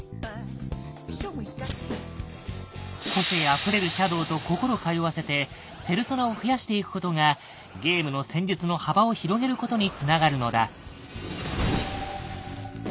個性あふれるシャドウと心通わせてペルソナを増やしていくことがゲームの戦術の幅を広げることにつながるのだ。